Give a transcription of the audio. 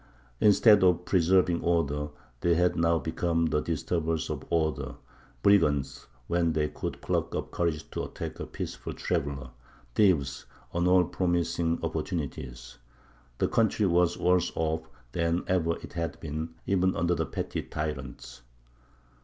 Instead of preserving order, they had now become the disturbers of order; brigands, when they could pluck up courage to attack a peaceful traveller; thieves on all promising opportunities. The country was worse off than ever it had been, even under the petty tyrants.